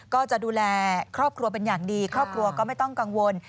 ก็จะดูแลครอบครัวเป็นอย่างดีครอบครัวก็ไม่ต้องกังวล